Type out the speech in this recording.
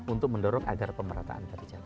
untuk mendorong agar pemerataan kerja